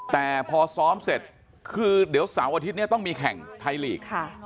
แต่พอซ้อมเสร็จคือเดี๋ยวเสาร์อาทิตย์นี้ต้องมีแข่งไทยลีก